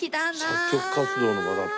「作曲活動の場」だって。